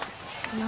何？